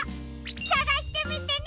さがしてみてね！